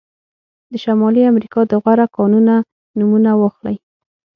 د شمالي امریکا د غوره کانونه نومونه واخلئ.